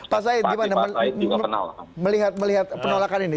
pak said gimana melihat penolakan ini